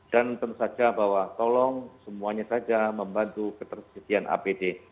dan tentu saja bahwa tolong semuanya saja membantu ketersediaan apd